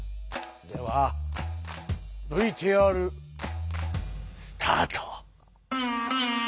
ではＶＴＲスタート。